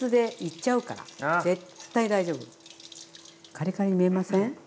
カリカリに見えません？